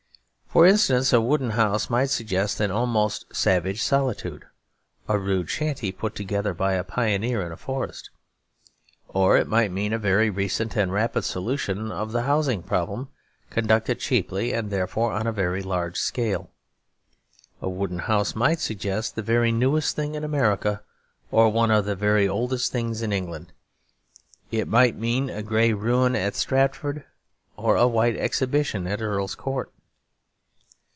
For instance, a wooden house might suggest an almost savage solitude; a rude shanty put together by a pioneer in a forest; or it might mean a very recent and rapid solution of the housing problem, conducted cheaply and therefore on a very large scale. A wooden house might suggest the very newest thing in America or one of the very oldest things in England. It might mean a grey ruin at Stratford or a white exhibition at Earl's Court.